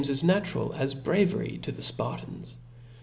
as natural as bravery to the Spartans.